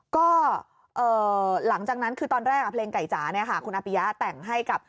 ก็หลังจากนั้นคือตอนแรกเพลงไก่จ๋าเนี่ยค่ะคุณอาปิยะแต่งให้กับ